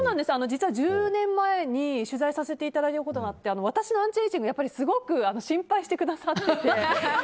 実は１０年前に取材させていただいたことがあって私のアンチエイジングすごく心配してくださってて。